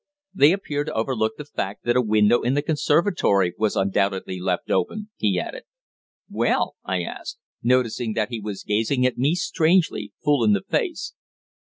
They appear to overlook the fact that a window in the conservatory was undoubtedly left open," he added. "Well?" I asked, noticing that he was gazing at me strangely, full in the face.